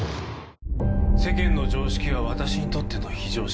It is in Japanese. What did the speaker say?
世間の常識は私にとっての非常識。